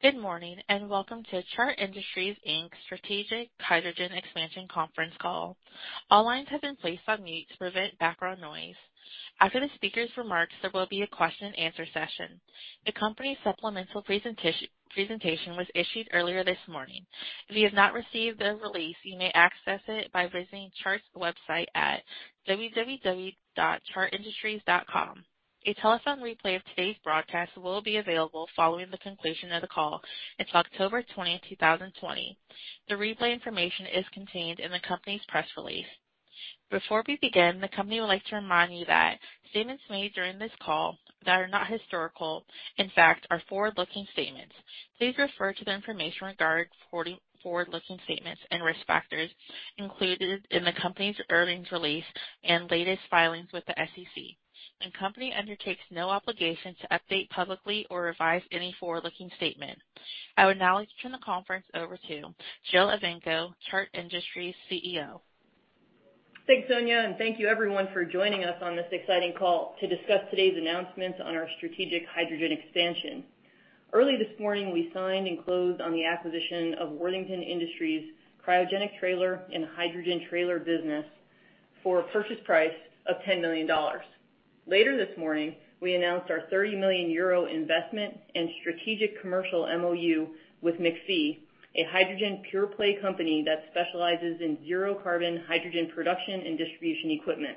Good morning and welcome to Chart Industries, Inc.'s Strategic Hydrogen Expansion Conference Call. All lines have been placed on mute to prevent background noise. After the speaker's remarks, there will be a question-and-answer session. The company's supplemental presentation was issued earlier this morning. If you have not received the release, you may access it by visiting Chart's website at www.chartindustries.com. A telephone replay of today's broadcast will be available following the conclusion of the call. It's October 20, 2020. The replay information is contained in the company's press release. Before we begin, the company would like to remind you that statements made during this call that are not historical, in fact, are forward-looking statements. Please refer to the information regarding forward-looking statements and risk factors included in the company's earnings release and latest filings with the SEC. The company undertakes no obligation to update publicly or revise any forward-looking statement. I would now like to turn the conference over to Jill Evanko, Chart Industries CEO. Thanks, Sonia, and thank you, everyone, for joining us on this exciting call to discuss today's announcements on our strategic hydrogen expansion. Early this morning, we signed and closed on the acquisition of Worthington Industries' cryogenic trailer and hydrogen trailer business for a purchase price of $10 million. Later this morning, we announced our 30 million euro investment and strategic commercial MOU with McPhy, a hydrogen pure-play company that specializes in zero-carbon hydrogen production and distribution equipment.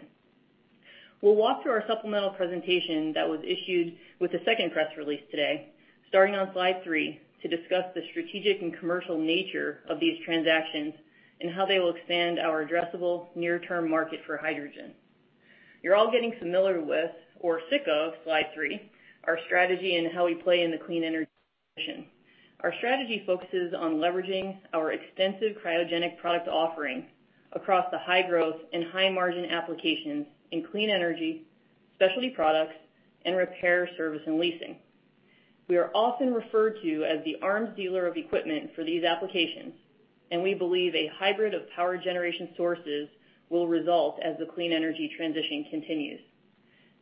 We'll walk through our supplemental presentation that was issued with the second press release today, starting on slide three to discuss the strategic and commercial nature of these transactions and how they will expand our addressable near-term market for hydrogen. You're all getting familiar with, or sick of, slide three, our strategy and how we play in the clean energy mission. Our strategy focuses on leveraging our extensive cryogenic product offering across the high-growth and high-margin applications in clean energy, specialty products, and repair service and leasing. We are often referred to as the arms dealer of equipment for these applications, and we believe a hybrid of power generation sources will result as the clean energy transition continues.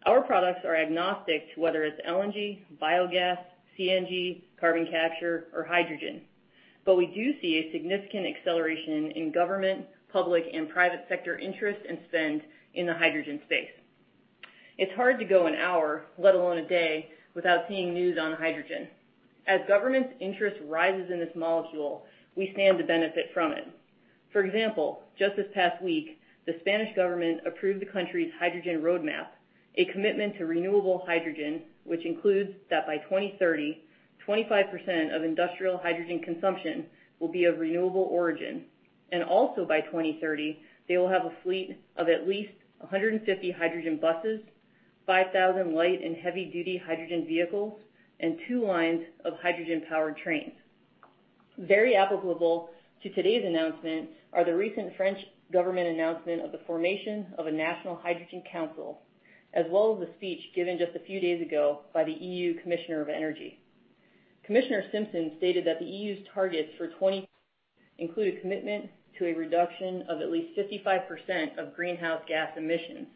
Our products are agnostic to whether it's LNG, biogas, CNG, carbon capture, or hydrogen, but we do see a significant acceleration in government, public, and private sector interest and spend in the hydrogen space. It's hard to go an hour, let alone a day, without seeing news on hydrogen. As government's interest rises in this molecule, we stand to benefit from it. For example, just this past week, the Spanish government approved the country's hydrogen roadmap, a commitment to renewable hydrogen, which includes that by 2030, 25% of industrial hydrogen consumption will be of renewable origin, and also by 2030, they will have a fleet of at least 150 hydrogen buses, 5,000 light and heavy-duty hydrogen vehicles, and two lines of hydrogen-powered trains. Very applicable to today's announcement are the recent French government announcement of the formation of a national hydrogen council, as well as the speech given just a few days ago by the EU Commissioner of Energy. Commissioner Simson stated that the EU's targets for 2020 include a commitment to a reduction of at least 55% of greenhouse gas emissions,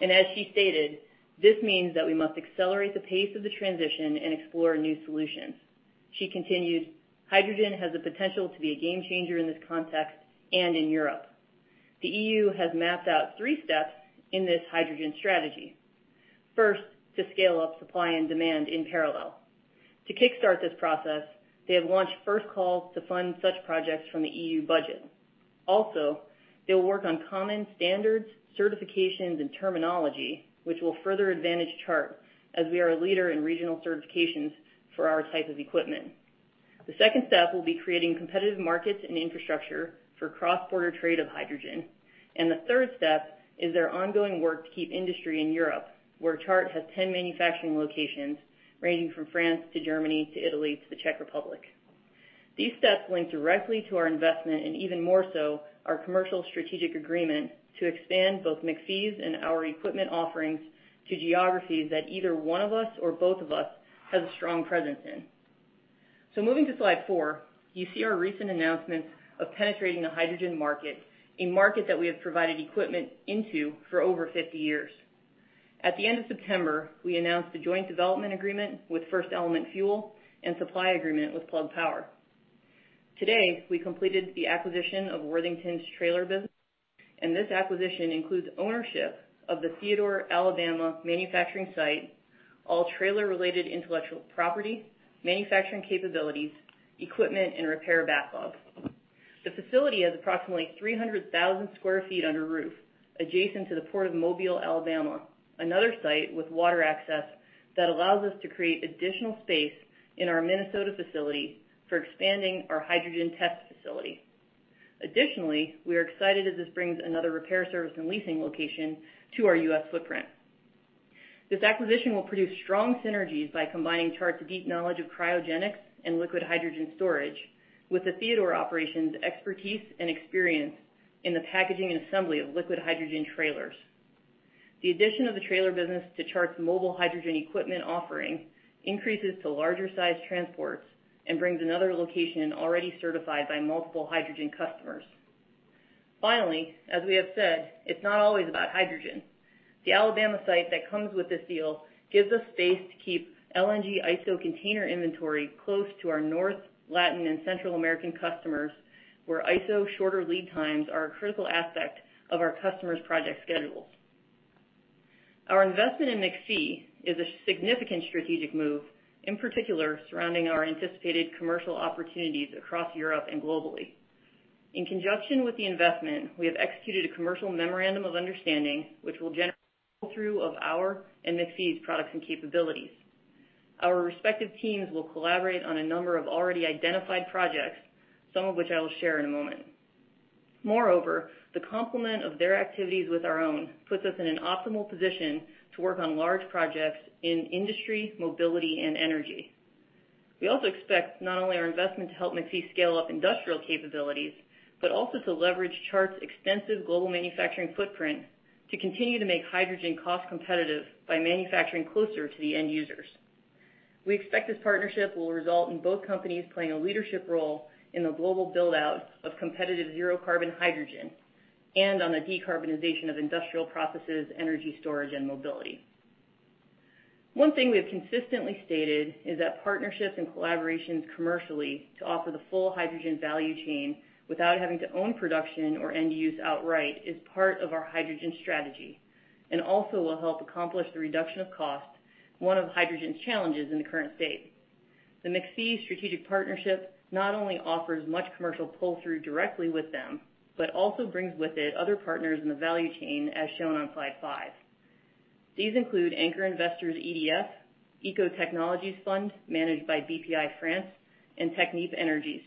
and as she stated, this means that we must accelerate the pace of the transition and explore new solutions. She continued, "Hydrogen has the potential to be a game changer in this context and in Europe." The EU has mapped out three steps in this hydrogen strategy. First, to scale up supply and demand in parallel. To kickstart this process, they have launched first calls to fund such projects from the EU budget. Also, they will work on common standards, certifications, and terminology, which will further advantage Chart as we are a leader in regional certifications for our type of equipment. The second step will be creating competitive markets and infrastructure for cross-border trade of hydrogen, and the third step is their ongoing work to keep industry in Europe, where Chart has 10 manufacturing locations ranging from France to Germany to Italy to the Czech Republic. These steps link directly to our investment and even more so our commercial strategic agreement to expand both McPhy's and our equipment offerings to geographies that either one of us or both of us has a strong presence in. So moving to slide four, you see our recent announcements of penetrating the hydrogen market, a market that we have provided equipment into for over 50 years. At the end of September, we announced the joint development agreement with FirstElement Fuel and supply agreement with Plug Power. Today, we completed the acquisition of Worthington's trailer business, and this acquisition includes ownership of the Theodore, Alabama manufacturing site, all trailer-related intellectual property, manufacturing capabilities, equipment, and repair backlog. The facility has approximately 300,000 sq ft under roof adjacent to the Port of Mobile, Alabama, another site with water access that allows us to create additional space in our Minnesota facility for expanding our hydrogen test facility. Additionally, we are excited as this brings another repair service and leasing location to our U.S. footprint. This acquisition will produce strong synergies by combining Chart's deep knowledge of cryogenics and liquid hydrogen storage with the Theodore operation's expertise and experience in the packaging and assembly of liquid hydrogen trailers. The addition of the trailer business to Chart's mobile hydrogen equipment offering increases to larger-sized transports and brings another location already certified by multiple hydrogen customers. Finally, as we have said, it's not always about hydrogen. The Alabama site that comes with this deal gives us space to keep LNG ISO container inventory close to our North, Latin, and Central American customers, where ISO shorter lead times are a critical aspect of our customers' project schedules. Our investment in McPhy is a significant strategic move, in particular surrounding our anticipated commercial opportunities across Europe and globally. In conjunction with the investment, we have executed a commercial memorandum of understanding, which will generate a flow-through of our and McPhy's products and capabilities. Our respective teams will collaborate on a number of already identified projects, some of which I will share in a moment. Moreover, the complement of their activities with our own puts us in an optimal position to work on large projects in industry, mobility, and energy. We also expect not only our investment to help McPhy scale up industrial capabilities, but also to leverage Chart's extensive global manufacturing footprint to continue to make hydrogen cost-competitive by manufacturing closer to the end users. We expect this partnership will result in both companies playing a leadership role in the global build-out of competitive zero-carbon hydrogen and on the decarbonization of industrial processes, energy storage, and mobility. One thing we have consistently stated is that partnerships and collaborations commercially to offer the full hydrogen value chain without having to own production or end use outright is part of our hydrogen strategy and also will help accomplish the reduction of cost, one of hydrogen's challenges in the current state. The McPhy strategic partnership not only offers much commercial pull-through directly with them, but also brings with it other partners in the value chain as shown on slide five. These include anchor investors EDF, Ecotechnologies Fund managed by Bpifrance, and Technip Energies.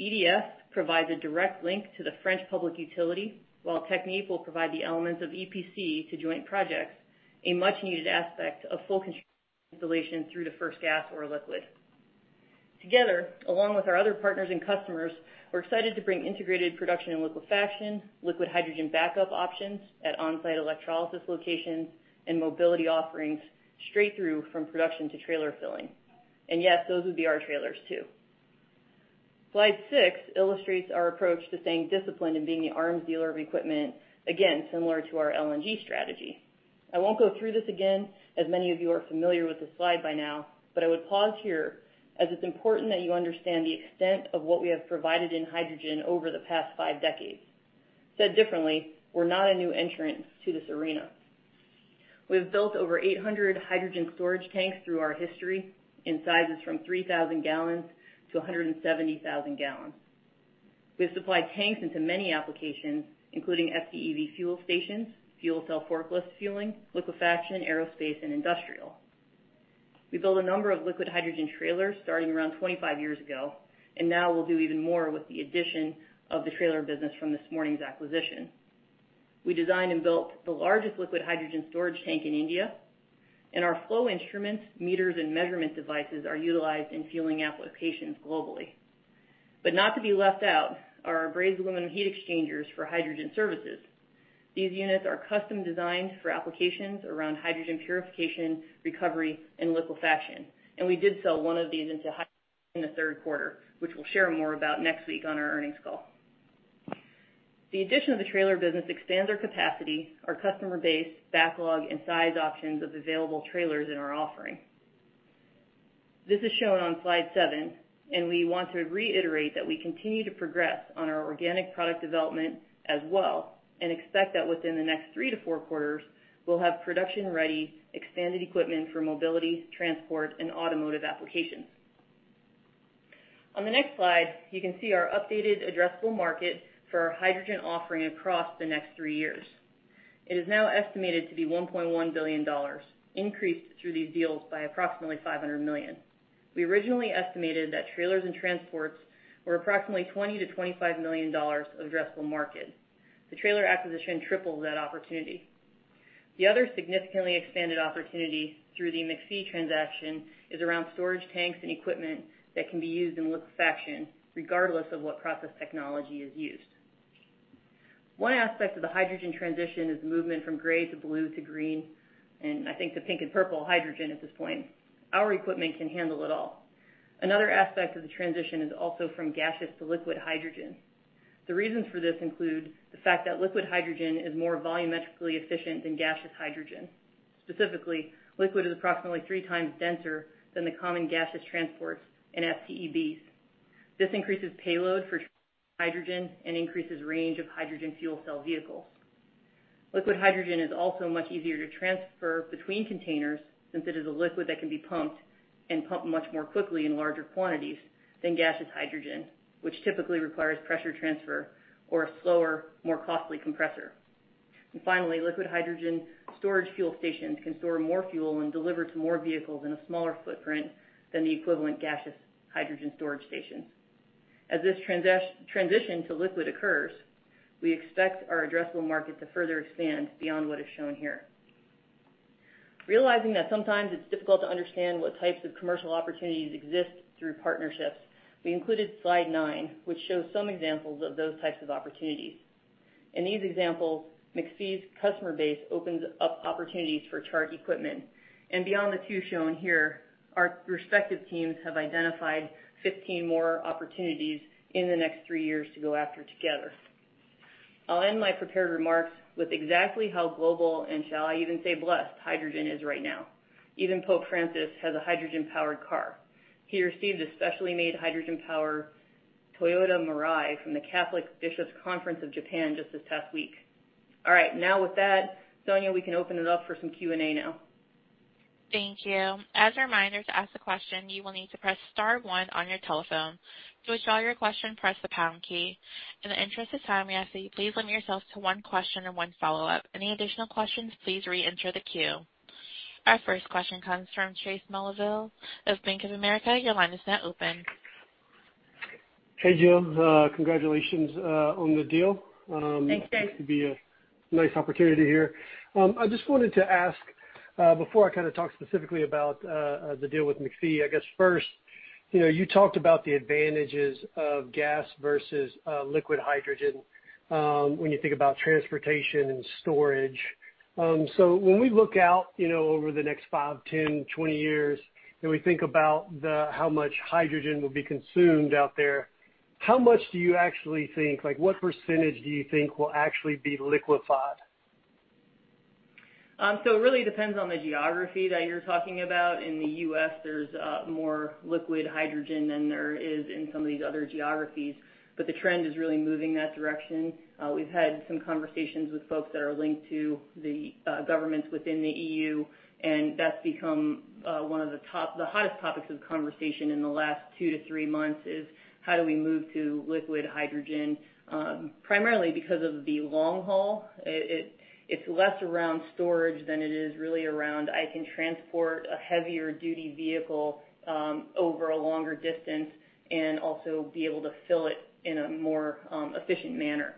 EDF provides a direct link to the French public utility, while Technip will provide the elements of EPC to joint projects, a much-needed aspect of full-construction installation through to first gas or liquid. Together, along with our other partners and customers, we're excited to bring integrated production and liquefaction, liquid hydrogen backup options at on-site electrolysis locations, and mobility offerings straight through from production to trailer filling. And yes, those would be our trailers too. Slide six illustrates our approach to staying disciplined and being the arms dealer of equipment, again, similar to our LNG strategy. I won't go through this again, as many of you are familiar with this slide by now, but I would pause here as it's important that you understand the extent of what we have provided in hydrogen over the past five decades. Said differently, we're not a new entrant to this arena. We have built over 800 hydrogen storage tanks through our history in sizes from 3,000 gallons to 170,000 gallons. We have supplied tanks into many applications, including FCEV fuel stations, fuel cell forklift fueling, liquefaction, aerospace, and industrial. We built a number of liquid hydrogen trailers starting around 25 years ago, and now we'll do even more with the addition of the trailer business from this morning's acquisition. We designed and built the largest liquid hydrogen storage tank in India, and our flow instruments, meters, and measurement devices are utilized in fueling applications globally. But not to be left out are our brazed aluminum heat exchangers for hydrogen services. These units are custom-designed for applications around hydrogen purification, recovery, and liquefaction. And we did sell one of these into hydrogen in the third quarter, which we'll share more about next week on our earnings call. The addition of the trailer business expands our capacity, our customer base, backlog, and size options of available trailers in our offering. This is shown on slide seven, and we want to reiterate that we continue to progress on our organic product development as well and expect that within the next three to four quarters, we'll have production-ready expanded equipment for mobility, transport, and automotive applications. On the next slide, you can see our updated addressable market for our hydrogen offering across the next three years. It is now estimated to be $1.1 billion, increased through these deals by approximately $500 million. We originally estimated that trailers and transports were approximately $20-$25 million of addressable market. The trailer acquisition tripled that opportunity. The other significantly expanded opportunity through the McPhy transaction is around storage tanks and equipment that can be used in liquefaction, regardless of what process technology is used. One aspect of the hydrogen transition is the movement from gray to blue to green, and I think to pink and purple hydrogen at this point. Our equipment can handle it all. Another aspect of the transition is also from gaseous to liquid hydrogen. The reasons for this include the fact that liquid hydrogen is more volumetrically efficient than gaseous hydrogen. Specifically, liquid is approximately three times denser than the common gaseous transports and FCEVs. This increases payload for hydrogen and increases the range of hydrogen fuel cell vehicles. Liquid hydrogen is also much easier to transfer between containers since it is a liquid that can be pumped much more quickly in larger quantities than gaseous hydrogen, which typically requires pressure transfer or a slower, more costly compressor. And finally, liquid hydrogen storage fuel stations can store more fuel and deliver to more vehicles in a smaller footprint than the equivalent gaseous hydrogen storage stations. As this transition to liquid occurs, we expect our addressable market to further expand beyond what is shown here. Realizing that sometimes it's difficult to understand what types of commercial opportunities exist through partnerships, we included slide nine, which shows some examples of those types of opportunities. In these examples, McPhy's customer base opens up opportunities for Chart equipment. Beyond the two shown here, our respective teams have identified 15 more opportunities in the next three years to go after together. I'll end my prepared remarks with exactly how global, and shall I even say blessed, hydrogen is right now. Even Pope Francis has a hydrogen-powered car. He received a specially made hydrogen-powered Toyota Mirai from the Catholic Bishops' Conference of Japan just this past week. All right, now with that, Sonia, we can open it up for some Q&A now. Thank you. As a reminder to ask a question, you will need to press star one on your telephone. To withdraw your question, press the pound key. In the interest of time, we ask that you please limit yourself to one question and one follow-up. Any additional questions, please re-enter the queue. Our first question comes from Chase Mulvehill of Bank of America. Your line is now open. Hey, Jill. Congratulations on the deal. Thank you. It's a nice opportunity here. I just wanted to ask before I kind of talk specifically about the deal with McPhy. I guess first, you talked about the advantages of gas versus liquid hydrogen when you think about transportation and storage. So when we look out over the next five, 10, 20 years, and we think about how much hydrogen will be consumed out there, how much do you actually think, what percentage do you think will actually be liquefied? So it really depends on the geography that you're talking about. In the U.S., there's more liquid hydrogen than there is in some of these other geographies, but the trend is really moving that direction. We've had some conversations with folks that are linked to the governments within the EU, and that's become one of the hottest topics of conversation in the last two to three months is how do we move to liquid hydrogen, primarily because of the long haul. It's less around storage than it is really around I can transport a heavier-duty vehicle over a longer distance and also be able to fill it in a more efficient manner,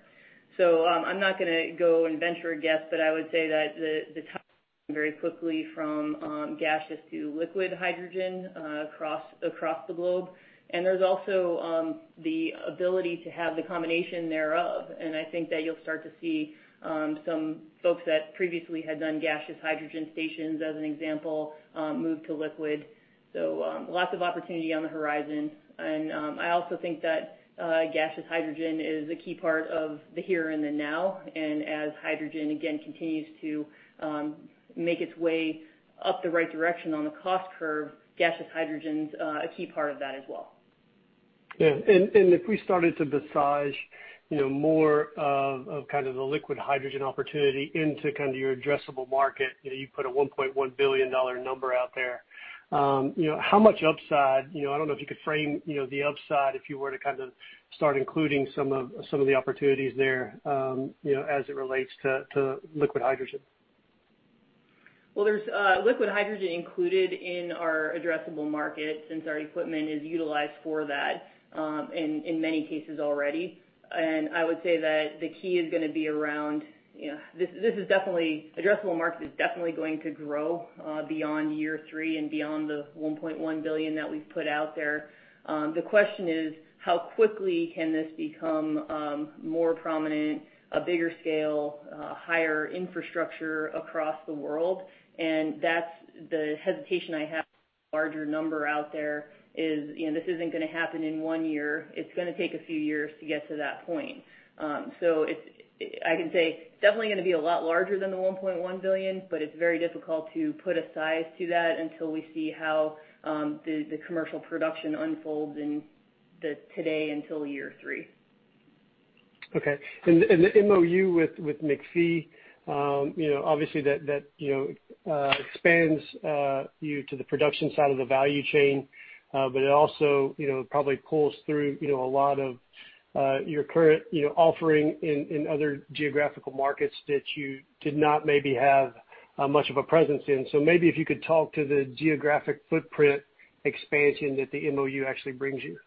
so I'm not going to go and venture a guess, but I would say that the topic is moving very quickly from gaseous to liquid hydrogen across the globe, and there's also the ability to have the combination thereof, and I think that you'll start to see some folks that previously had done gaseous hydrogen stations, as an example, move to liquid, so lots of opportunity on the horizon. I also think that gaseous hydrogen is a key part of the here and the now. As hydrogen, again, continues to make its way up the right direction on the cost curve, gaseous hydrogen's a key part of that as well. Yeah. If we started to massage more of kind of the liquid hydrogen opportunity into kind of your addressable market, you put a $1.1 billion number out there. How much upside? I don't know if you could frame the upside if you were to kind of start including some of the opportunities there as it relates to liquid hydrogen. There's liquid hydrogen included in our addressable market since our equipment is utilized for that in many cases already. I would say that the key is going to be around this addressable market, which is definitely going to grow beyond year three and beyond the $1.1 billion that we've put out there. The question is, how quickly can this become more prominent, a bigger scale, higher infrastructure across the world? That's the hesitation I have with the larger number out there: this isn't going to happen in one year. It's going to take a few years to get to that point. So I can say it's definitely going to be a lot larger than the $1.1 billion, but it's very difficult to put a size to that until we see how the commercial production unfolds from today until year three. Okay. And the MOU with McPhy, obviously, that expands you to the production side of the value chain, but it also probably pulls through a lot of your current offering in other geographical markets that you did not maybe have much of a presence in. So maybe if you could talk to the geographic footprint expansion that the MOU actually brings you.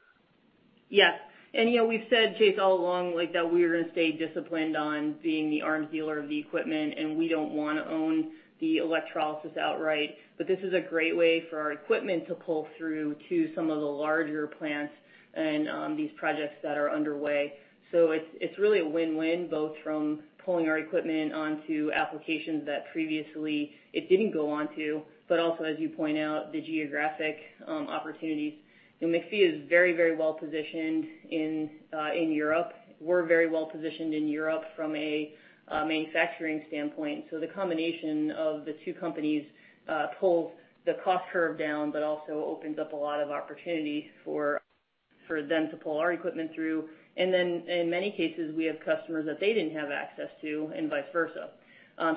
Yes. And we've said, Chase, all along that we are going to stay disciplined on being the arms dealer of the equipment, and we don't want to own the electrolysis outright. But this is a great way for our equipment to pull through to some of the larger plants and these projects that are underway. So it's really a win-win, both from pulling our equipment onto applications that previously it didn't go onto, but also, as you point out, the geographic opportunities. McPhy is very, very well positioned in Europe. We're very well positioned in Europe from a manufacturing standpoint. So the combination of the two companies pulls the cost curve down, but also opens up a lot of opportunity for them to pull our equipment through. And then, in many cases, we have customers that they didn't have access to and vice versa.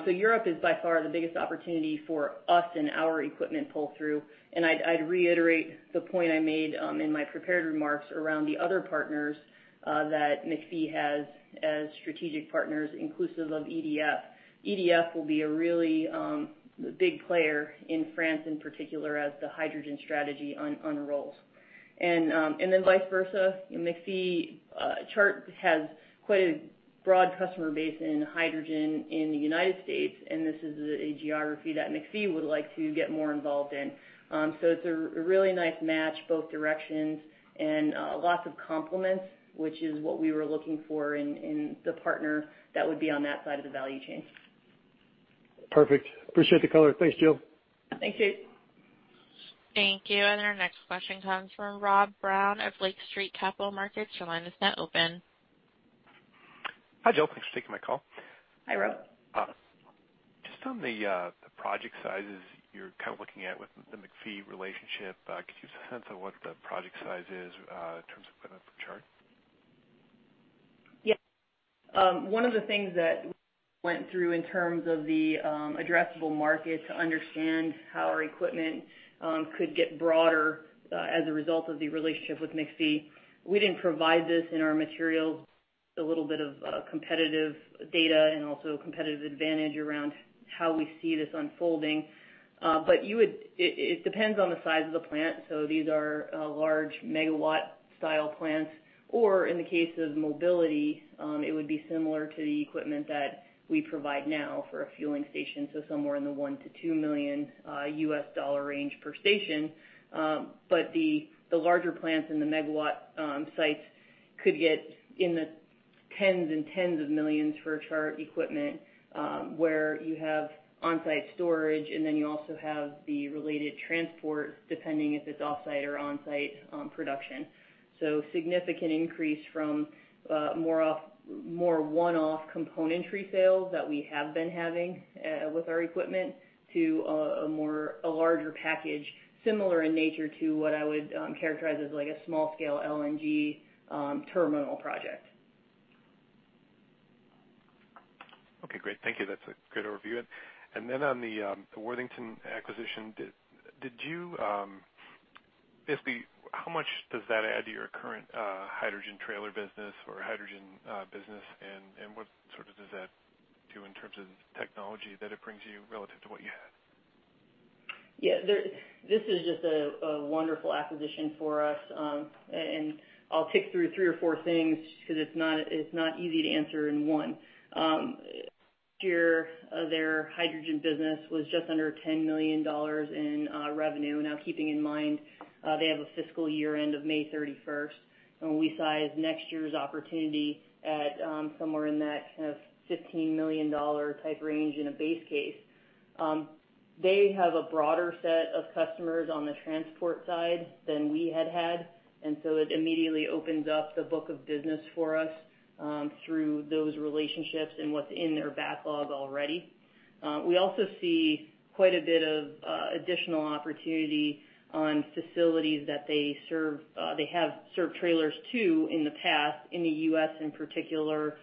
So Europe is by far the biggest opportunity for us and our equipment pull-through. And I'd reiterate the point I made in my prepared remarks around the other partners that McPhy has as strategic partners, inclusive of EDF. EDF will be a really big player in France in particular as the hydrogen strategy unrolls. And then vice versa. McPhy. Chart has quite a broad customer base in hydrogen in the United States, and this is a geography that McPhy would like to get more involved in. So it's a really nice match, both directions, and lots of complements, which is what we were looking for in the partner that would be on that side of the value chain. Perfect. Appreciate the color. Thanks, Jill. Thank you. Thank you. And our next question comes from Rob Brown of Lake Street Capital Markets. Your line is now open. Hi, Jill. Thanks for taking my call. Hi, Rob. Just on the project sizes you're kind of looking at with the McPhy relationship, could you give us a sense of what the project size is in terms of equipment for Chart? Yes. One of the things that we went through in terms of the addressable market to understand how our equipment could get broader as a result of the relationship with McPhy. We didn't provide this in our materials, a little bit of competitive data and also a competitive advantage around how we see this unfolding. But it depends on the size of the plant. So these are large megawatt-style plants. Or in the case of mobility, it would be similar to the equipment that we provide now for a fueling station, so somewhere in the $1-$2 million range per station. But the larger plants and the megawatt sites could get in the tens and tens of millions for Chart equipment where you have on-site storage, and then you also have the related transport, depending if it's off-site or on-site production. So significant increase from more one-off componentry sales that we have been having with our equipment to a larger package similar in nature to what I would characterize as a small-scale LNG terminal project. Okay. Great. Thank you. That's a great overview. And then on the Worthington acquisition, basically, how much does that add to your current hydrogen trailer business or hydrogen business? And what sort of does that do in terms of technology that it brings you relative to what you had? Yeah. This is just a wonderful acquisition for us. And I'll tick through three or four things because it's not easy to answer in one. Last year, their hydrogen business was just under $10 million in revenue. Now, keeping in mind they have a fiscal year end of May 31st, we sized next year's opportunity at somewhere in that kind of $15 million type range in a base case. They have a broader set of customers on the transport side than we had had. And so it immediately opens up the book of business for us through those relationships and what's in their backlog already. We also see quite a bit of additional opportunity on facilities that they serve. They have served trailers too in the past, in the U.S. in particular,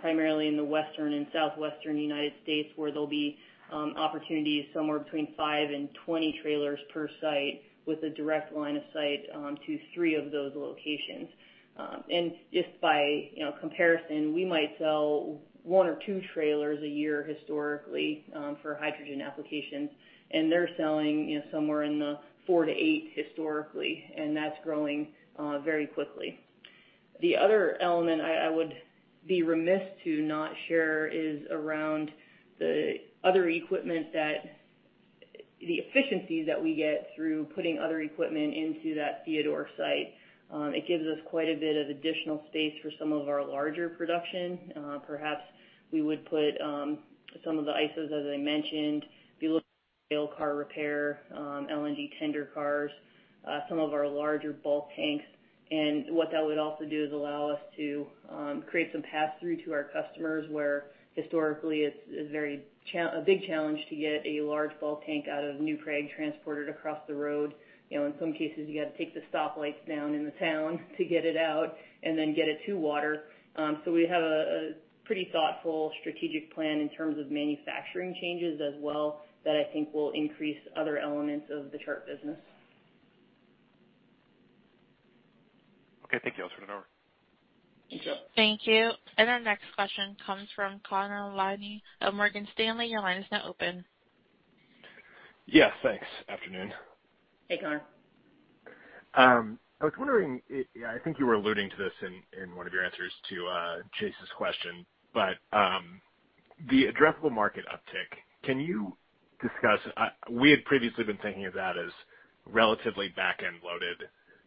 primarily in the western and southwestern United States, where there'll be opportunities somewhere between 5 and 20 trailers per site with a direct line of sight to three of those locations. And just by comparison, we might sell one or two trailers a year historically for hydrogen applications, and they're selling somewhere in the four to eight historically, and that's growing very quickly. The other element I would be remiss to not share is around the other equipment, the efficiencies that we get through putting other equipment into that Theodore site. It gives us quite a bit of additional space for some of our larger production. Perhaps we would put some of the ISOs, as I mentioned, be looking at rail car repair, LNG tender cars, some of our larger bulk tanks. And what that would also do is allow us to create some pass-through to our customers where historically it's a big challenge to get a large bulk tank out of New Prague transported across the road. In some cases, you got to take the stoplights down in the town to get it out and then get it to water. So we have a pretty thoughtful strategic plan in terms of manufacturing changes as well that I think will increase other elements of the Chart business. Okay. Thank you. I'll turn it over. Thank you. Thank you. And our next question comes from Connor Lynagh of Morgan Stanley. Your line is now open. Yes. Thanks. Afternoon. Hey, Connor. I was wondering, I think you were alluding to this in one of your answers to Chase's question, but the addressable market uptick, can you discuss? We had previously been thinking of that as relatively back-end loaded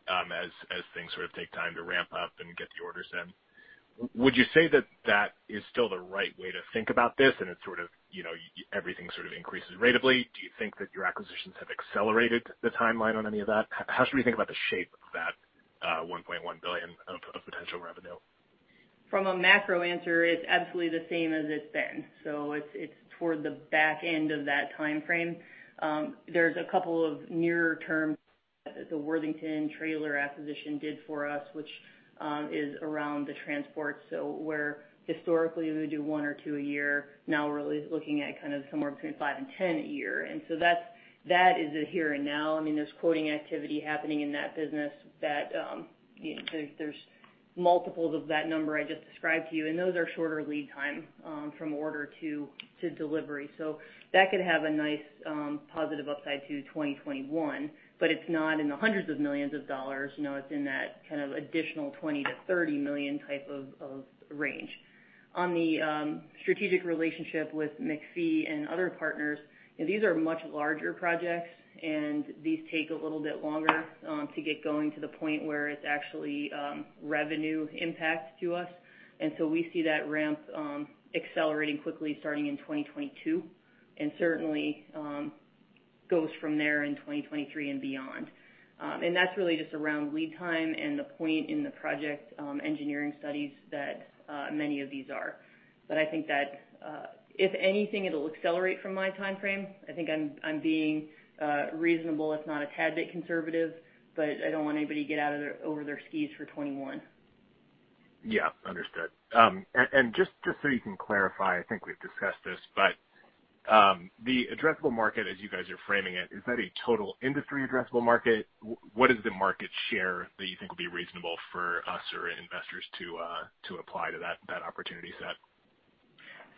as things sort of take time to ramp up and get the orders in. Would you say that that is still the right way to think about this and it's sort of everything sort of increases ratably? Do you think that your acquisitions have accelerated the timeline on any of that? How should we think about the shape of that $1.1 billion of potential revenue? From a macro answer, it's absolutely the same as it's been. So it's toward the back end of that timeframe. There's a couple of nearer terms that the Worthington trailer acquisition did for us, which is around the transport. So where historically we would do one or two a year, now we're really looking at kind of somewhere between five and 10 a year. And so that is the here and now. I mean, there's quoting activity happening in that business that there's multiples of that number I just described to you, and those are shorter lead time from order to delivery. So that could have a nice positive upside to 2021, but it's not in the hundreds of millions of dollars. It's in that kind of additional $20-$30 million type of range. On the strategic relationship with McPhy and other partners, these are much larger projects, and these take a little bit longer to get going to the point where it's actually revenue impact to us. So we see that ramp accelerating quickly starting in 2022 and certainly goes from there in 2023 and beyond. And that's really just around lead time and the point in the project engineering studies that many of these are. But I think that if anything, it'll accelerate from my timeframe. I think I'm being reasonable, if not a tad bit conservative, but I don't want anybody to get out over their skis for 2021. Yeah. Understood. And just so you can clarify, I think we've discussed this, but the addressable market, as you guys are framing it, is that a total industry addressable market? What is the market share that you think would be reasonable for us or investors to apply to that opportunity set?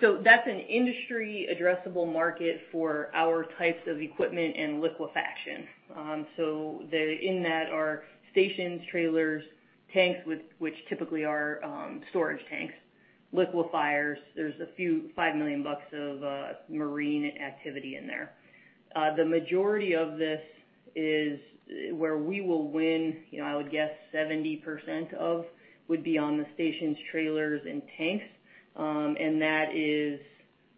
So that's an industry addressable market for our types of equipment and liquefaction. So in that are stations, trailers, tanks, which typically are storage tanks, liquefiers. There's a few $5 million bucks of marine activity in there. The majority of this is where we will win. I would guess 70% of it would be on the stations, trailers, and tanks. And that is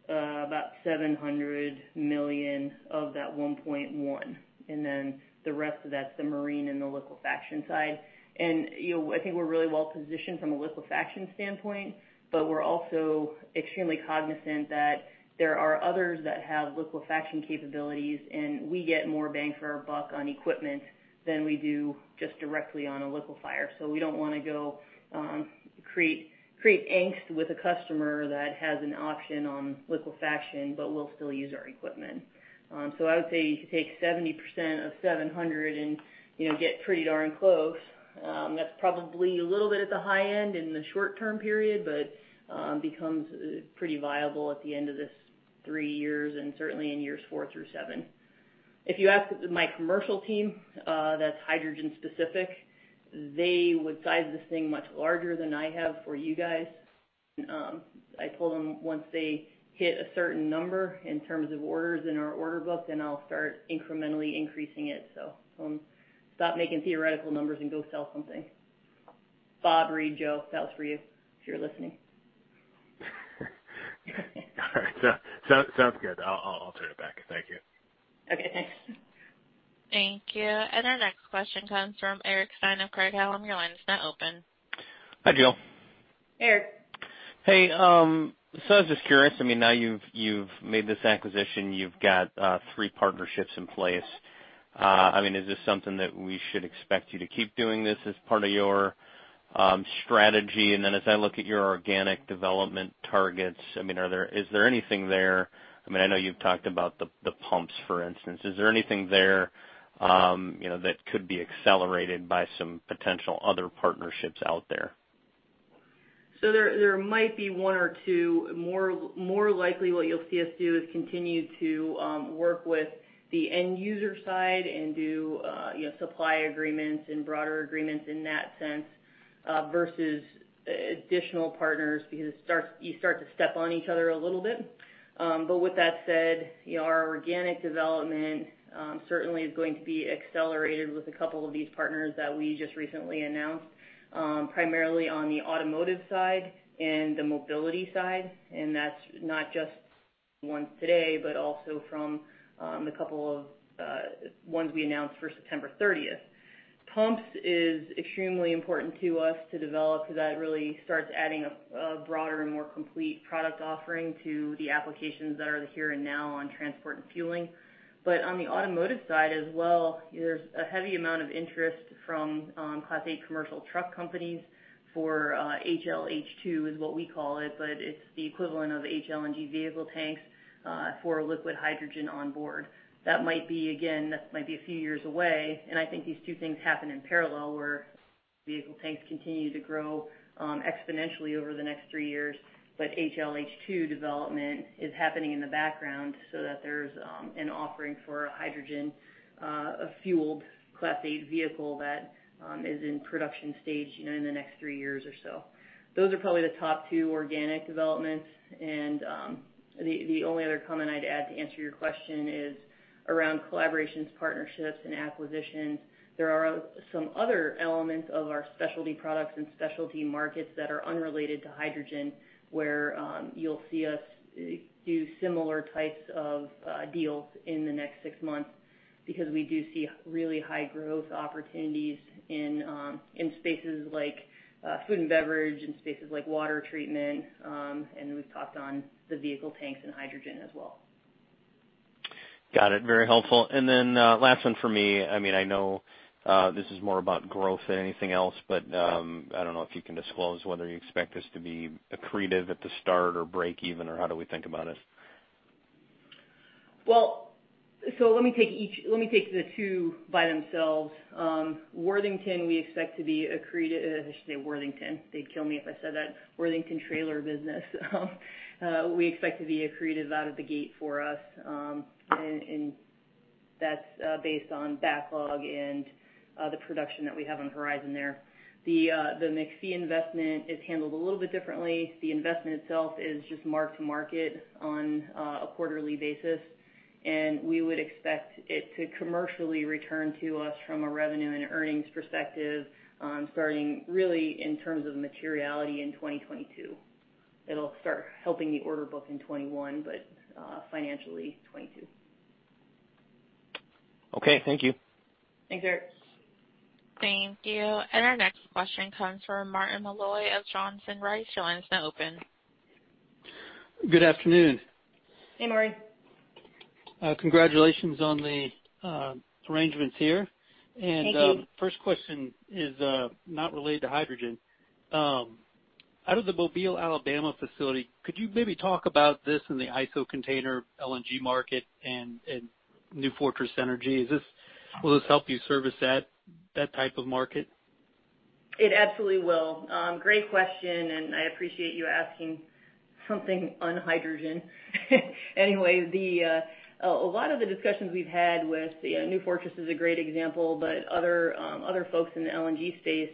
about $700 million of that $1.1 billion. And then the rest of that's the marine and the liquefaction side. And I think we're really well positioned from a liquefaction standpoint, but we're also extremely cognizant that there are others that have liquefaction capabilities, and we get more bang for our buck on equipment than we do just directly on a liquefier. So I would say you could take 70% of $700 million and get pretty darn close. That's probably a little bit at the high end in the short-term period, but becomes pretty viable at the end of this three years and certainly in years four through seven. If you ask my commercial team that's hydrogen specific, they would size this thing much larger than I have for you guys. I told them once they hit a certain number in terms of orders in our order book, then I'll start incrementally increasing it. So stop making theoretical numbers and go sell something. Bob, Reed, Joe, that was for you if you're listening. All right. Sounds good. I'll turn it back. Thank you. Okay. Thanks. Thank you. Our next question comes from Eric Stine of Craig-Hallum Capital Group. Line is now open. Hi, Jill. Hey, Eric. Hey. So I was just curious. I mean, now you've made this acquisition, you've got three partnerships in place. I mean, is this something that we should expect you to keep doing this as part of your strategy? And then as I look at your organic development targets, I mean, is there anything there? I mean, I know you've talked about the pumps, for instance. Is there anything there that could be accelerated by some potential other partnerships out there? So there might be one or two. More likely what you'll see us do is continue to work with the end user side and do supply agreements and broader agreements in that sense versus additional partners because you start to step on each other a little bit. But with that said, our organic development certainly is going to be accelerated with a couple of these partners that we just recently announced, primarily on the automotive side and the mobility side. That's not just ones today, but also from the couple of ones we announced for September 30th. Pumps is extremely important to us to develop because that really starts adding a broader and more complete product offering to the applications that are the here and now on transport and fueling. On the automotive side as well, there's a heavy amount of interest from Class 8 commercial truck companies for HLH2 is what we call it, but it's the equivalent of HLNG vehicle tanks for liquid hydrogen on board. That might be, again, that might be a few years away. I think these two things happen in parallel where vehicle tanks continue to grow exponentially over the next three years, but HLH2 development is happening in the background so that there's an offering for a hydrogen-fueled Class 8 vehicle that is in production stage in the next three years or so. Those are probably the top two organic developments. The only other comment I'd add to answer your question is around collaborations, partnerships, and acquisitions. There are some other elements of our specialty products and specialty markets that are unrelated to hydrogen where you'll see us do similar types of deals in the next six months because we do see really high growth opportunities in spaces like food and beverage, in spaces like water treatment. We've talked on the vehicle tanks and hydrogen as well. Got it. Very helpful. Then last one for me. I mean, I know this is more about growth than anything else, but I don't know if you can disclose whether you expect this to be accretive at the start or break even, or how do we think about it? Well, so let me take the two by themselves. Worthington, we expect to be accretive. I should say Worthington. They'd kill me if I said that. Worthington trailer business. We expect to be accretive out of the gate for us. And that's based on backlog and the production that we have on the horizon there. The McPhy investment is handled a little bit differently. The investment itself is just marked to market on a quarterly basis. And we would expect it to commercially return to us from a revenue and earnings perspective starting really in terms of materiality in 2022. It'll start helping the order book in 2021, but financially, 2022. Okay. Thank you. Thanks, Eric. Thank you. And our next question comes from Martin Malloy of Johnson Rice. Your line is now open. Good afternoon. Hey, Marty. Congratulations on the arrangements here. Thank you. First question is not related to hydrogen. Out of the Mobile, Alabama facility, could you maybe talk about this in the ISO container LNG market and New Fortress Energy? Will this help you service that type of market? It absolutely will. Great question. And I appreciate you asking something on hydrogen. Anyway, a lot of the discussions we've had with New Fortress is a great example, but other folks in the LNG space,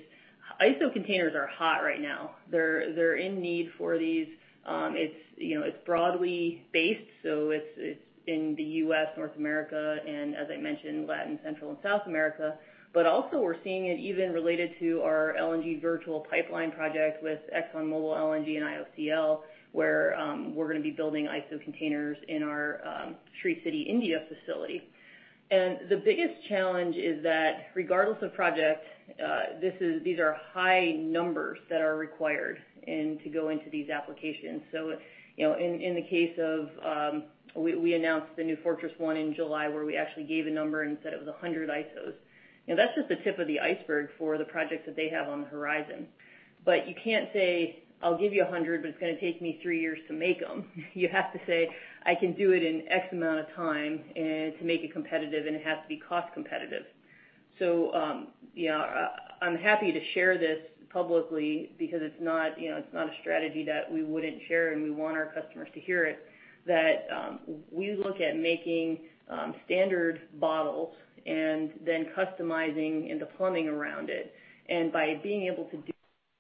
ISO containers are hot right now. They're in need for these. It's broadly based. So it's in the U.S., North America, and as I mentioned, Latin, Central, and South America. But also, we're seeing it even related to our LNG virtual pipeline project with ExxonMobil LNG and IOCL where we're going to be building ISO containers in our Sri City, India facility, and the biggest challenge is that regardless of project, these are high numbers that are required to go into these applications, so in the case of we announced the New Fortress one in July where we actually gave a number and said it was 100 ISOs. That's just the tip of the iceberg for the projects that they have on the horizon. But you can't say, "I'll give you 100, but it's going to take me three years to make them." You have to say, "I can do it in X amount of time to make it competitive, and it has to be cost competitive." So I'm happy to share this publicly because it's not a strategy that we wouldn't share, and we want our customers to hear it, that we look at making standard bottles and then customizing and deploying around it. And by being able to do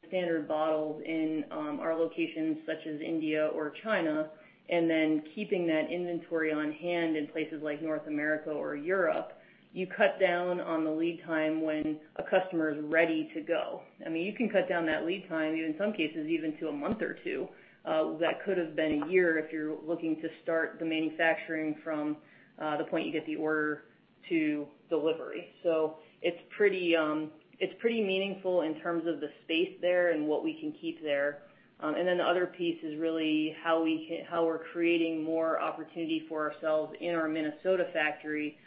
standard bottles in our locations such as India or China, and then keeping that inventory on hand in places like North America or Europe, you cut down on the lead time when a customer is ready to go. I mean, you can cut down that lead time, in some cases, even to a month or two. That could have been a year if you're looking to start the manufacturing from the point you get the order to delivery. So it's pretty meaningful in terms of the space there and what we can keep there. And then the other piece is really how we're creating more opportunity for ourselves in our Minnesota factory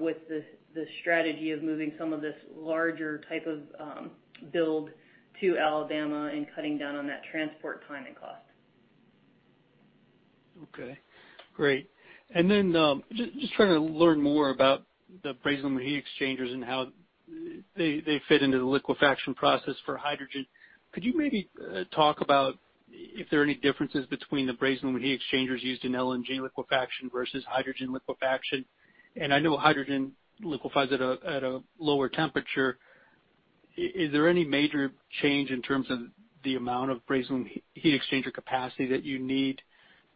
with the strategy of moving some of this larger type of build to Alabama and cutting down on that transport time and cost. Okay. Great. And then just trying to learn more about the brazed aluminum heat exchangers and how they fit into the liquefaction process for hydrogen. Could you maybe talk about if there are any differences between the brazed aluminum heat exchangers used in LNG liquefaction versus hydrogen liquefaction? And I know hydrogen liquefies at a lower temperature. Is there any major change in terms of the amount of brazed aluminum heat exchanger capacity that you need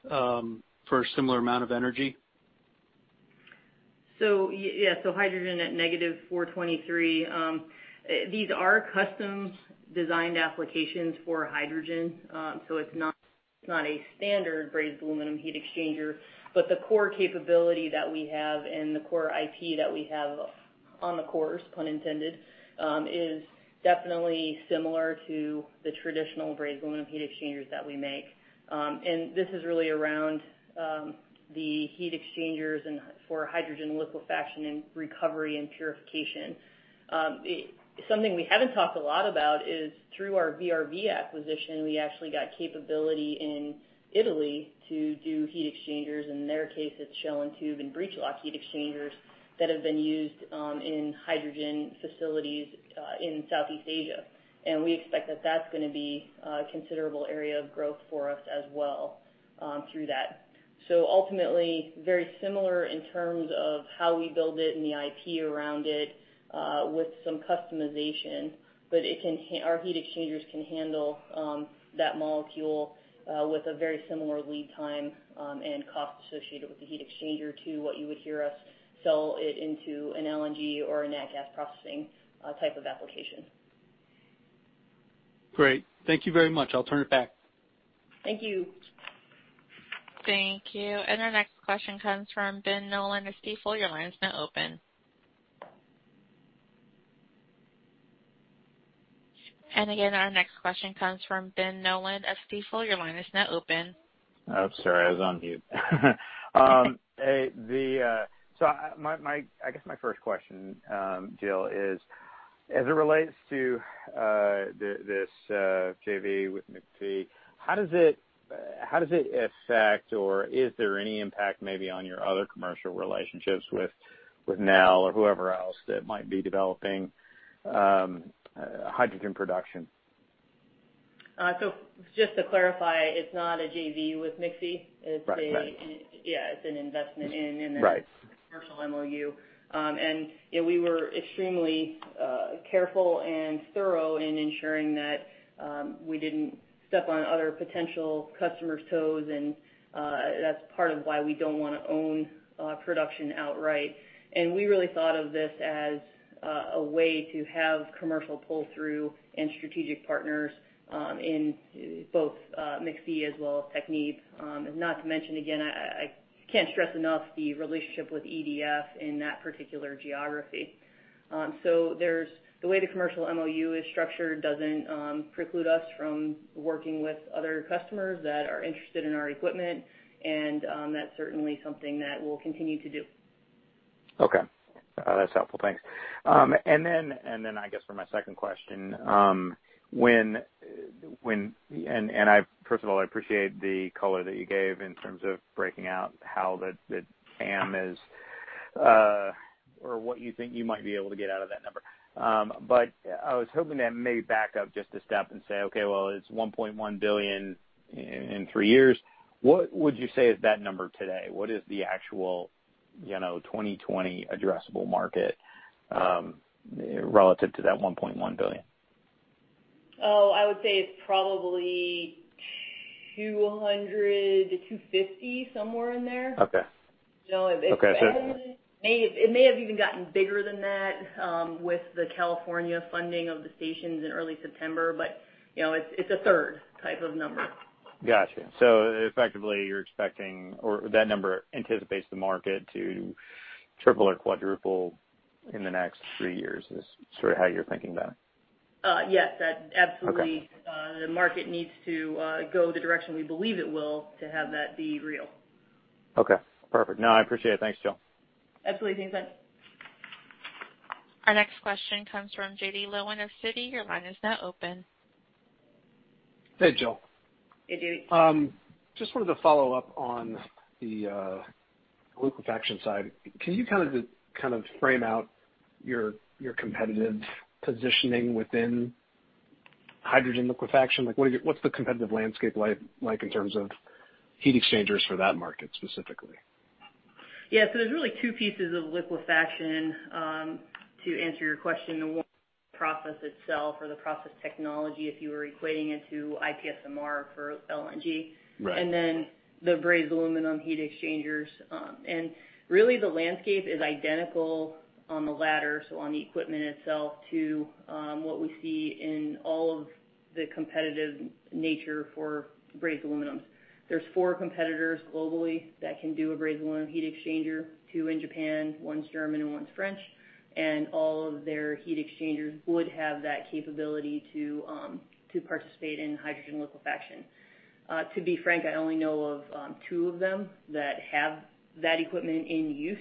for a similar amount of energy? So yeah, so hydrogen at negative 423 degrees Fahrenheit. These are custom-designed applications for hydrogen. So it's not a standard brazed aluminum heat exchanger, but the core capability that we have and the core IP that we have on the cores, pun intended, is definitely similar to the traditional brazed aluminum heat exchangers that we make. And this is really around the heat exchangers for hydrogen liquefaction and recovery and purification. Something we haven't talked a lot about is through our VRV acquisition, we actually got capability in Italy to do heat exchangers. In their case, it's shell and tube and brazed aluminum heat exchangers that have been used in hydrogen facilities in Southeast Asia. And we expect that that's going to be a considerable area of growth for us as well through that. So ultimately, very similar in terms of how we build it and the IP around it with some customization, but our heat exchangers can handle that molecule with a very similar lead time and cost associated with the heat exchanger to what you would hear us sell it into an LNG or a natural gas processing type of application. Great. Thank you very much. I'll turn it back. Thank you. Thank you. And our next question comes from Ben Nolan of Stifel. Your line is now open. And again, our next question comes from Ben Nolan of Stifel. Your line is now open. Oh, sorry. I was on mute. So I guess my first question, Jill, is as it relates to this JV with McPhy, how does it affect or is there any impact maybe on your other commercial relationships with NEL or whoever else that might be developing hydrogen production? So just to clarify, it's not a JV with McPhy. Right. Yeah. It's an investment in. And then a commercial MOU. And we were extremely careful and thorough in ensuring that we didn't step on other potential customers' toes. And that's part of why we don't want to own production outright. And we really thought of this as a way to have commercial pull-through and strategic partners in both McPhy as well as Technip Energies. Not to mention, again, I can't stress enough the relationship with EDF in that particular geography. So the way the commercial MOU is structured doesn't preclude us from working with other customers that are interested in our equipment. And that's certainly something that we'll continue to do. Okay. That's helpful. Thanks. And then I guess for my second question, and first of all, I appreciate the color that you gave in terms of breaking out how the TAM is or what you think you might be able to get out of that number. But I was hoping to maybe back up just a step and say, "Okay. Well, it's $1.1 billion in three years." What would you say is that number today? What is the actual 2020 addressable market relative to that $1.1 billion? Oh, I would say it's probably 200-250, somewhere in there. It may have even gotten bigger than that with the California funding of the stations in early September, but it's a third type of number. Gotcha. So effectively, you're expecting or that number anticipates the market to triple or quadruple in the next three years is sort of how you're thinking about it. Yes. Absolutely. The market needs to go the direction we believe it will to have that be real. Okay. Perfect. No, I appreciate it. Thanks, Jill. Absolutely. Thanks, Ben. Our next question comes from J.B. Lowe of Citi. Your line is now open. Hey, Jill. Hey, J.B.. Just wanted to follow up on the liquefaction side. Can you kind of frame out your competitive positioning within hydrogen liquefaction? What's the competitive landscape like in terms of heat exchangers for that market specifically? Yeah. So there's really two pieces of liquefaction to answer your question. The one is the process itself or the process technology if you were equating it to IPSMR for LNG. And then the brazed aluminum heat exchangers. And really, the landscape is identical on the latter, so on the equipment itself, to what we see in all of the competitive nature for brazed aluminum heat exchangers. There are four competitors globally that can do a brazed aluminum heat exchanger. Two in Japan, one's German, and one's French. And all of their heat exchangers would have that capability to participate in hydrogen liquefaction. To be frank, I only know of two of them that have that equipment in use,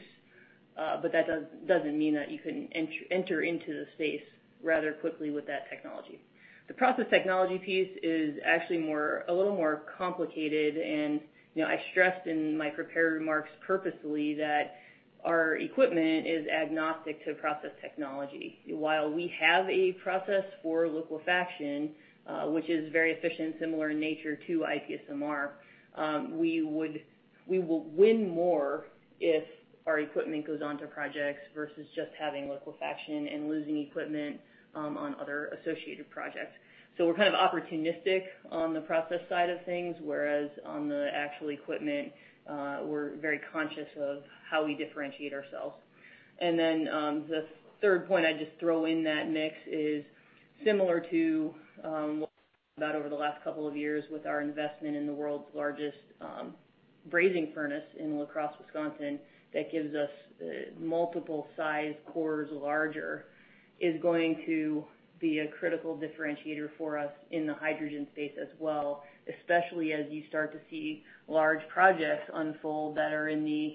but that doesn't mean that you can enter into the space rather quickly with that technology. The process technology piece is actually a little more complicated. And I stressed in my prepared remarks purposely that our equipment is agnostic to process technology. While we have a process for liquefaction, which is very efficient, similar in nature to IPSMR, we will win more if our equipment goes on to projects versus just having liquefaction and losing equipment on other associated projects. So we're kind of opportunistic on the process side of things, whereas on the actual equipment, we're very conscious of how we differentiate ourselves. And then the third point I'd just throw in that mix is similar to what we talked about over the last couple of years with our investment in the world's largest brazing furnace in La Crosse, Wisconsin, that gives us multiple size cores larger, is going to be a critical differentiator for us in the hydrogen space as well, especially as you start to see large projects unfold that are in the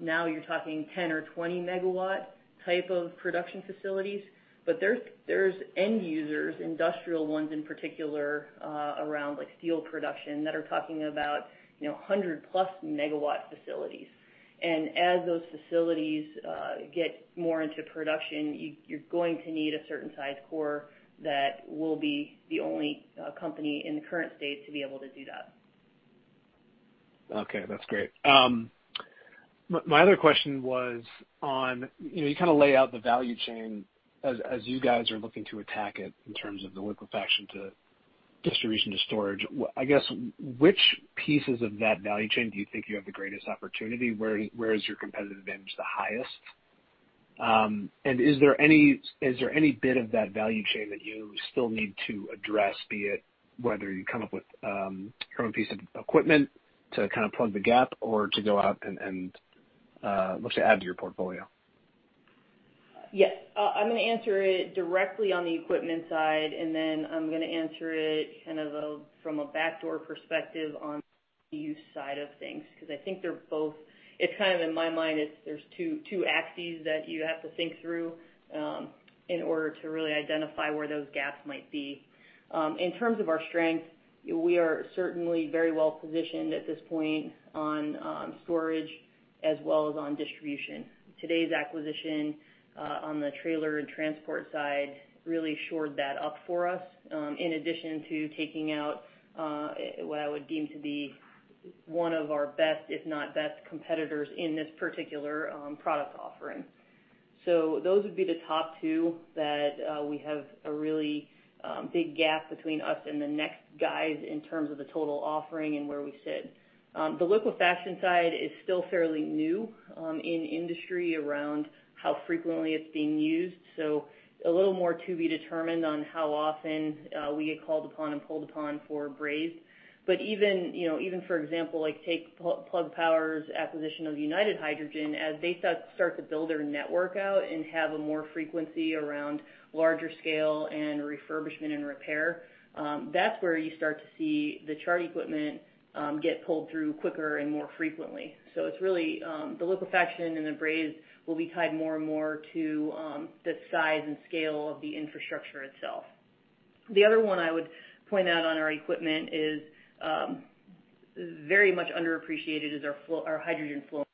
now you're talking 10 or 20 megawatt type of production facilities. But there's end users, industrial ones in particular, around steel production that are talking about 100-plus megawatt facilities. And as those facilities get more into production, you're going to need a certain size core that will be the only company in the current state to be able to do that. Okay. That's great. My other question was on how you kind of lay out the value chain as you guys are looking to attack it in terms of the liquefaction to distribution to storage. I guess which pieces of that value chain do you think you have the greatest opportunity? Where is your competitive advantage the highest? And is there any bit of that value chain that you still need to address, be it whether you come up with your own piece of equipment to kind of plug the gap or to go out and look to add to your portfolio? Yes. I'm going to answer it directly on the equipment side. And then I'm going to answer it kind of from a backdoor perspective on the use side of things because I think they're both. It's kind of in my mind, there's two axes that you have to think through in order to really identify where those gaps might be. In terms of our strength, we are certainly very well positioned at this point on storage as well as on distribution. Today's acquisition on the trailer and transport side really shored that up for us in addition to taking out what I would deem to be one of our best, if not best, competitors in this particular product offering. So those would be the top two that we have a really big gap between us and the next guys in terms of the total offering and where we sit. The liquefaction side is still fairly new in industry around how frequently it's being used, so a little more to be determined on how often we get called upon and pulled upon for brazed, but even, for example, take Plug Power's acquisition of United Hydrogen. As they start to build their network out and have a more frequency around larger scale and refurbishment and repair, that's where you start to see the Chart equipment get pulled through quicker and more frequently, so it's really the liquefaction and the brazed will be tied more and more to the size and scale of the infrastructure itself. The other one I would point out on our equipment is very much underappreciated, is our hydrogen flow,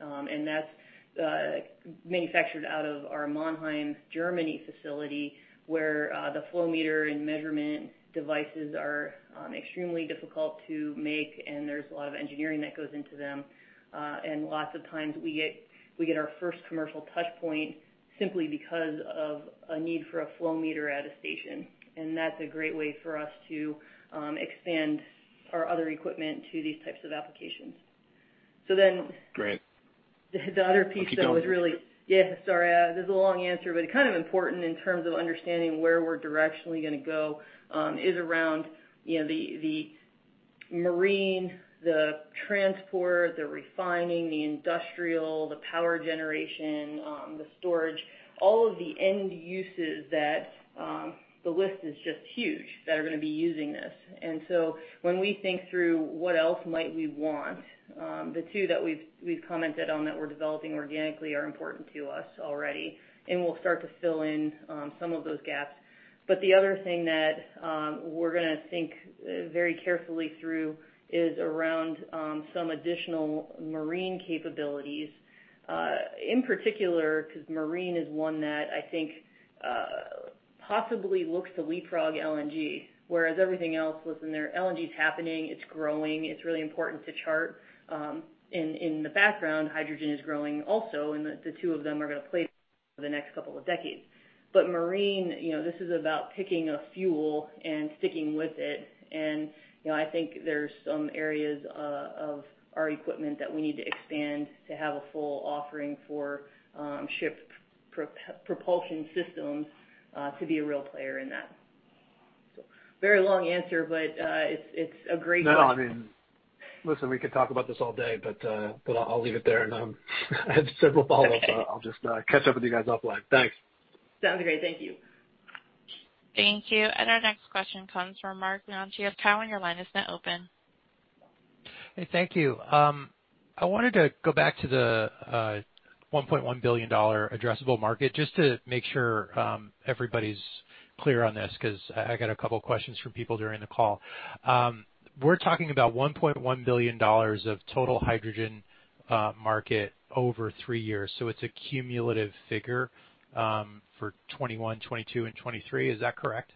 and that's manufactured out of our Monheim, Germany facility, where the flow meter and measurement devices are extremely difficult to make. And there's a lot of engineering that goes into them. And lots of times, we get our first commercial touchpoint simply because of a need for a flow meter at a station. And that's a great way for us to expand our other equipment to these types of applications. So then the other piece that was really yeah. Sorry. This is a long answer, but kind of important in terms of understanding where we're directionally going to go is around the marine, the transport, the refining, the industrial, the power generation, the storage, all of the end uses that the list is just huge that are going to be using this. And so when we think through what else might we want, the two that we've commented on that we're developing organically are important to us already. And we'll start to fill in some of those gaps. But the other thing that we're going to think very carefully through is around some additional marine capabilities, in particular, because marine is one that I think possibly looks to leapfrog LNG, whereas everything else was in there. LNG is happening. It's growing. It's really important to Chart. In the background, hydrogen is growing also. And the two of them are going to play the next couple of decades. But marine, this is about picking a fuel and sticking with it. And I think there's some areas of our equipment that we need to expand to have a full offering for ship propulsion systems to be a real player in that. So very long answer, but it's a great question. No, I mean, listen, we could talk about this all day, but I'll leave it there. And I have several follow-ups. I'll just catch up with you guys offline. Thanks. Sounds great. Thank you. Thank you. Our next question comes from Marc Bianchi of Cowen. Your line is now open. Hey, thank you. I wanted to go back to the $1.1 billion addressable market just to make sure everybody's clear on this because I got a couple of questions from people during the call. We're talking about $1.1 billion of total hydrogen market over three years. So it's a cumulative figure for 2021, 2022, and 2023. Is that correct?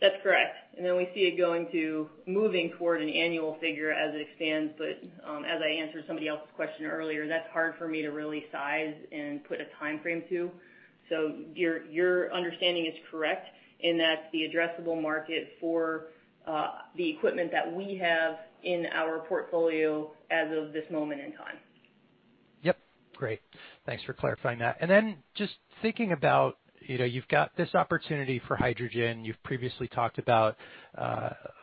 That's correct. We see it moving toward an annual figure as it expands. But as I answered somebody else's question earlier, that's hard for me to really size and put a timeframe to. So your understanding is correct in that the addressable market for the equipment that we have in our portfolio as of this moment in time. Yep. Great. Thanks for clarifying that. And then just thinking about you've got this opportunity for hydrogen. You've previously talked about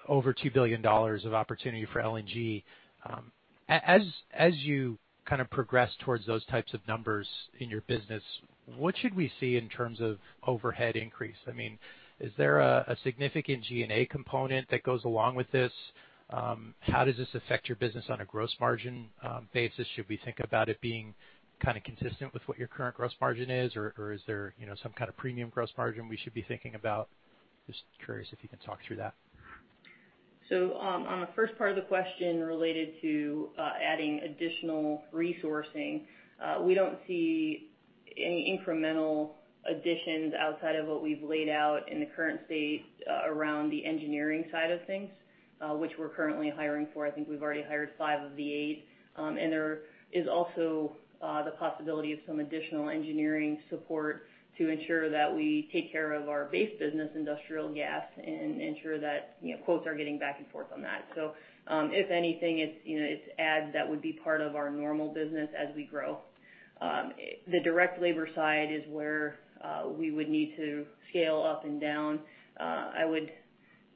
over $2 billion of opportunity for LNG. As you kind of progress towards those types of numbers in your business, what should we see in terms of overhead increase? I mean, is there a significant G&A component that goes along with this? How does this affect your business on a gross margin basis? Should we think about it being kind of consistent with what your current gross margin is? Or is there some kind of premium gross margin we should be thinking about? Just curious if you can talk through that. So on the first part of the question related to adding additional resourcing, we don't see any incremental additions outside of what we've laid out in the current state around the engineering side of things, which we're currently hiring for. I think we've already hired five of the eight, and there is also the possibility of some additional engineering support to ensure that we take care of our base business, industrial gas, and ensure that quotes are getting back and forth on that, so if anything, it adds that would be part of our normal business as we grow. The direct labor side is where we would need to scale up and down. I would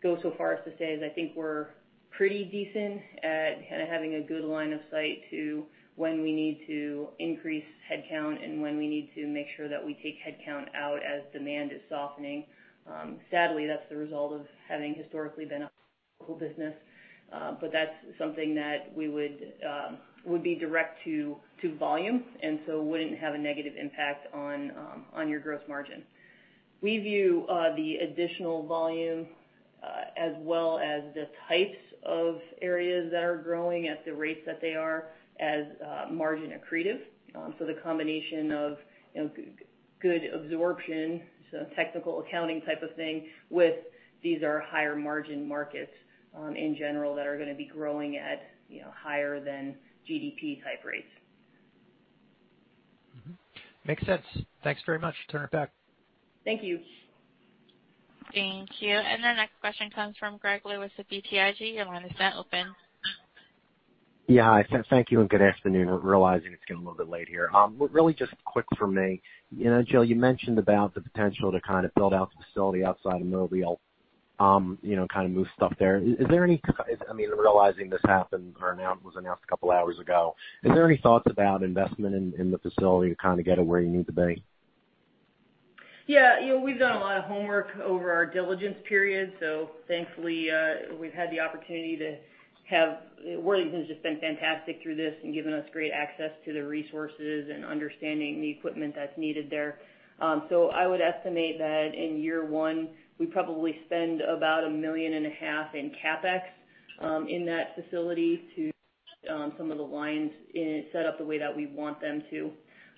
go so far as to say that I think we're pretty decent at kind of having a good line of sight to when we need to increase headcount and when we need to make sure that we take headcount out as demand is softening. Sadly, that's the result of having historically been a cyclical business, but that's something that would be direct to volume and so wouldn't have a negative impact on your gross margin. We view the additional volume as well as the types of areas that are growing at the rates that they are as margin accretive. So the combination of good absorption, so technical accounting type of thing, with these are higher margin markets in general that are going to be growing at higher than GDP type rates. Makes sense. Thanks very much. Turn it back. Thank you. Thank you and our next question comes from Greg Lewis of BTIG. Your line is now open. Yeah. Thank you and good afternoon. Realizing it's getting a little bit late here. Really just quick for me. Jill, you mentioned about the potential to kind of build out the facility outside of Mobile and kind of move stuff there. Is there any? I mean, realizing this happened or was announced a couple of hours ago, is there any thoughts about investment in the facility to kind of get it where you need to be? Yeah. We've done a lot of homework over our diligence period. So thankfully, we've had the opportunity to have Worthington just been fantastic through this and given us great access to the resources and understanding the equipment that's needed there. So I would estimate that in year one, we probably spend about $1.5 million in CapEx in that facility to get some of the lines set up the way that we want them to.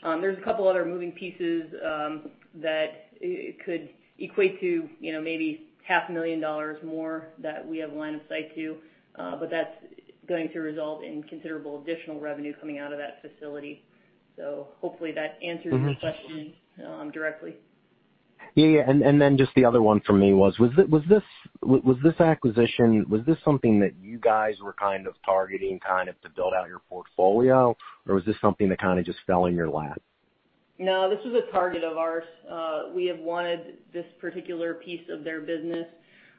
There's a couple of other moving pieces that could equate to maybe $500,000 more that we have a line of sight to. But that's going to result in considerable additional revenue coming out of that facility. So hopefully, that answers your question directly. Yeah. And then just the other one for me was this acquisition, was this something that you guys were kind of targeting kind of to build out your portfolio, or was this something that kind of just fell in your lap? No, this was a target of ours. We have wanted this particular piece of their business.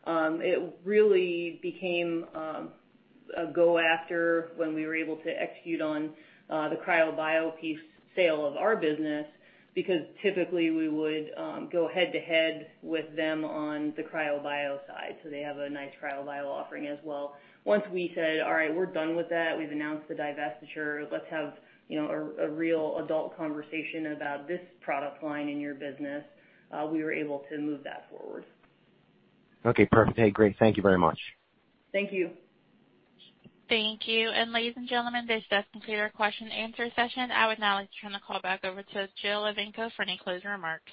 It really became a go-after when we were able to execute on the CryBio piece sale of our business because typically, we would go head-to-head with them on the CryBio side. So they have a nice CryBio offering as well. Once we said, "All right, we're done with that. We've announced the divestiture. Let's have a real adult conversation about this product line in your business," we were able to move that forward. Okay. Perfect. Hey, great. Thank you very much. Thank you. Thank you. And ladies and gentlemen, this does conclude our question-and-answer session. I would now like to turn the call back over to Jill Evanko for any closing remarks.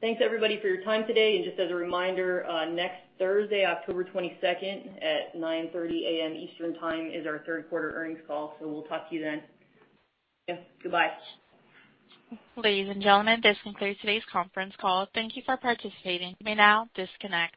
Thanks, everybody, for your time today. And just as a reminder, next Thursday, October 22nd at 9:30 A.M. Eastern Time is our third quarter earnings call. So we'll talk to you then. Yeah. Goodbye. Ladies and gentlemen, this concludes today's conference call. Thank you for participating. You may now disconnect.